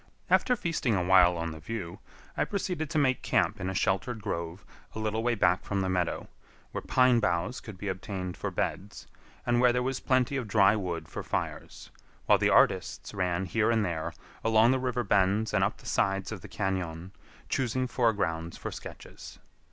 After feasting awhile on the view, I proceeded to make camp in a sheltered grove a little way back from the meadow, where pine boughs could be obtained for beds, and where there was plenty of dry wood for fires, while the artists ran here and there, along the river bends and up the sides of the cañon, choosing foregrounds for sketches.